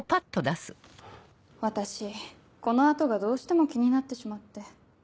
私この跡がどうしても気になってしまって。